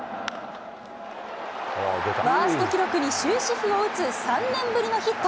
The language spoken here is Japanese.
ワースト記録に終止符を打つ、３年ぶりのヒット。